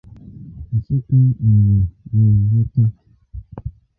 Nsukka were na-alọta.